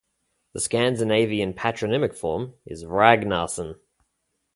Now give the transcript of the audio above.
The Scandinavian patronymic form is Ragnarsson.